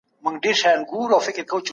سیاستوال ولي د جګړې مخنیوی کوي؟